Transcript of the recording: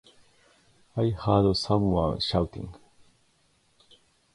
I heard someone shouting.